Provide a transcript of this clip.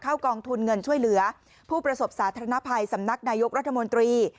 กองทุนเงินช่วยเหลือผู้ประสบสาธารณภัยสำนักนายกรัฐมนตรี